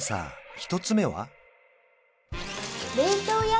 １つ目は？